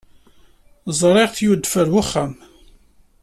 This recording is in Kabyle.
Ẓriɣ-t yudef ɣer uxxam.